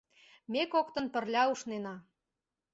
Ме коктын пырля ушнена...